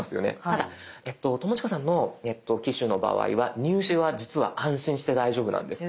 ただ友近さんの機種の場合は入手は実は安心して大丈夫なんです。